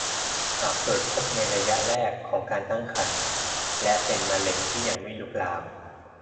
หากตรวจพบในระยะแรกของการตั้งครรภ์ และเป็นมะเร็งที่ยังไม่ลุกลาม